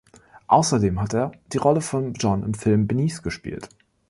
Außerdem hat er die Rolle von John im Film „Beneath“ gespielt.